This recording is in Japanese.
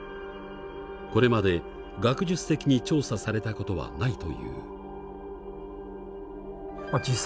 これまで学術的に調査されたことはないという。